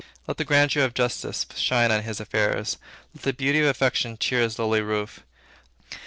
Let the grandeur of justice shine in his affairs. Let the beauty of affection cheer his lowly roof.